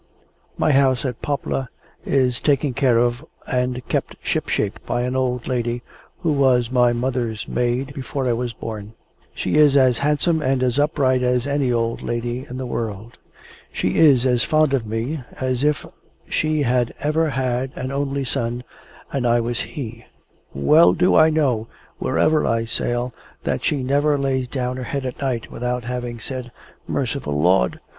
My house at Poplar is taken care of and kept ship shape by an old lady who was my mother's maid before I was born. She is as handsome and as upright as any old lady in the world. She is as fond of me as if she had ever had an only son, and I was he. Well do I know wherever I sail that she never lays down her head at night without having said, "Merciful Lord!